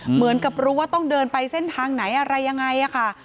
เหมือนกับรู้ว่าต้องเดินไปเส้นทางไหนอะไรยังไงค่ะ